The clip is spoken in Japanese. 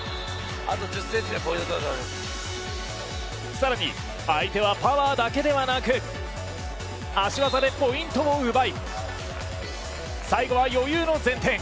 更に、相手はパワーだけではなく足技でポイントを奪い最後は余裕の前転。